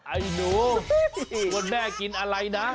ไอลูกพูดแม่กินอะไรนะ